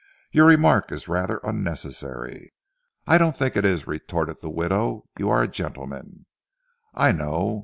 "Your remark is rather unnecessary." "I don't think it is," retorted the widow, "you are a gentleman, I know.